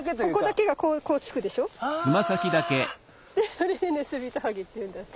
それでヌスビトハギっていうんだって。